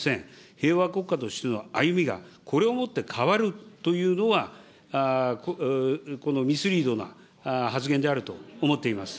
平和国家としての歩みが、これをもって変わるというのは、ミスリードな発言であると思っています。